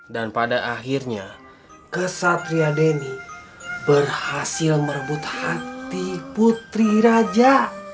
dan pada akhirnya kesatria deni berhasil merebut hati putri raja